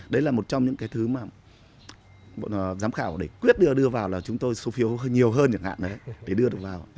đấy là một trong những cái thứ mà giám khảo quyết đưa vào là chúng tôi số phiếu nhiều hơn chẳng hạn đấy để đưa được vào